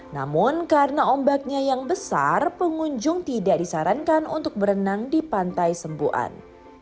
namun karena ombaknya yang besar pengunjung tidak disarankan untuk berenang di pantai sembuan